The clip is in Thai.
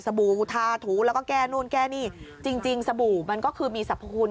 บู่อุทาถูแล้วก็แก้นู่นแก้นี่จริงจริงสบู่มันก็คือมีสรรพคุณ